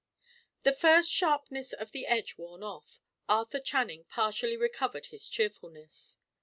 The first sharpness of the edge worn off, Arthur Channing partially recovered his cheerfulness.